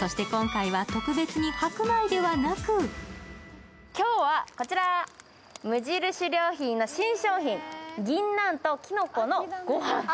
そして今回は特別に白米ではなく今日は、こちら、無印良品の新商品、銀杏ときのこのごはん。